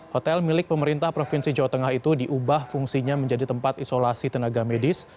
hotel milik pemerintah provinsi jawa tengah itu diubah fungsinya menjadi tempat isolasi tenaga medis